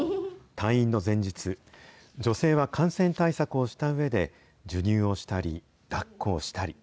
退院の前日、女性は感染対策をしたうえで、授乳をしたりだっこをしたり。